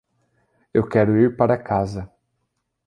Eu quero ir para casa.